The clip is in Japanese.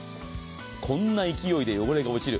こんな勢いで汚れが落ちる。